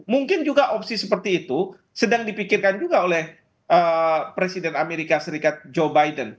mungkin juga opsi seperti itu sedang dipikirkan juga oleh presiden amerika serikat joe biden